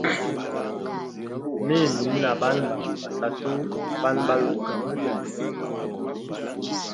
Mimi ni na Bana bazi ba satu na Bana balume babili.